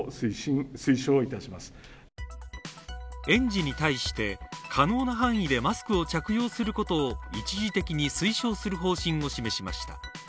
園児に対して可能な範囲でマスクを着用することを一時的に推奨する方針を明らかにしました。